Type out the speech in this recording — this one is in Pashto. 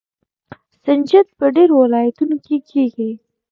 سنجد په ډیرو ولایتونو کې کیږي.